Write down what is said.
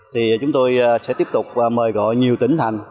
thì chúng tôi sẽ tiếp tục mời gọi